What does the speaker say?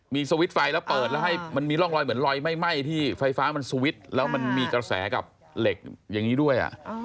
มีสวิตช์ไฟแล้วเปิดแล้วให้มันมีร่องรอยเหมือนรอยไหม้ที่ไฟฟ้ามันสวิตช์แล้วมันมีกระแสกับเหล็กอย่างนี้ด้วย